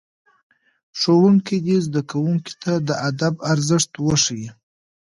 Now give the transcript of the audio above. ښوونکي دي زدهکوونکو ته د ادب ارزښت وښيي.